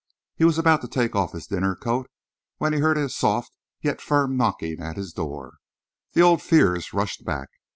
He was about to take off his dinner coat when he heard a soft yet firm knocking at his door. The old fears rushed back.